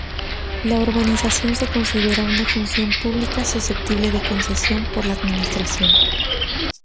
La urbanización se considera una función pública susceptible de concesión por la administración.